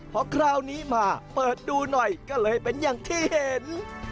พอคราวนี้มาเปิดดูหน่อยก็เลยเป็นอย่างที่เห็น